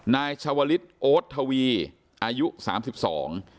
นายชาวลิศโอ๊ตทวีอายุสามสิบสอง